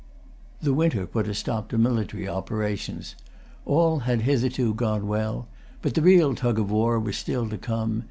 The winter put a stop to military operations. All had hitherto gone well. But the real tug of war was still to come.